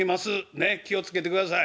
ねっ気を付けてください」。